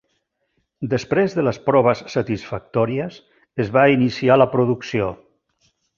Després de les proves satisfactòries, es va iniciar la producció.